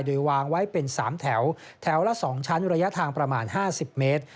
โดยวางไว้เป็น๓แถวแถวละ๒ชั้นระยะทางประมาณ๕๐เมตร